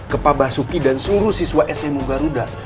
ke mabah suki dan semua siswa sem garuda